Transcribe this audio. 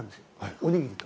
おにぎりと。